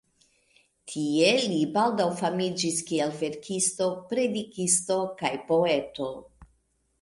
Tie li baldaŭ famiĝis kiel verkisto, predikisto kaj poeto.